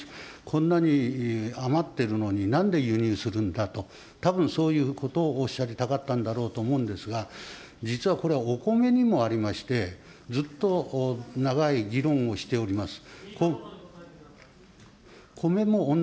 こんなに余ってるのに、なんで輸入するんだと、たぶん、そういうことをおっしゃりたかったんだろうと思うんですが、実はこれ、お米にもありまして、ずっと長い議論をしております。